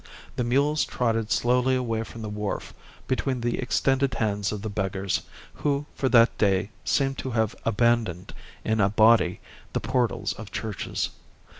The mules trotted slowly away from the wharf between the extended hands of the beggars, who for that day seemed to have abandoned in a body the portals of churches.